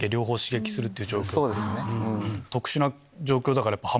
そうですね。